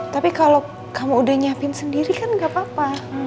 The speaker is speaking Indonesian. tapi kalau kamu udah nyiapin sendiri kan gak apa apa